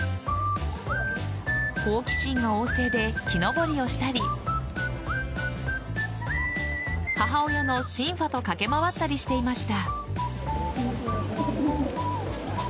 好奇心旺盛で、木登りをしたり母親のシンファと駆け回ったりしていました。